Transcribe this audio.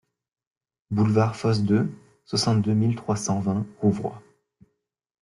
Boulevard Fosse deux, soixante-deux mille trois cent vingt Rouvroy